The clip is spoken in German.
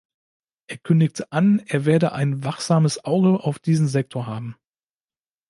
Er kündigte an, er werde "ein wachsames Auge" auf diesen Sektor haben.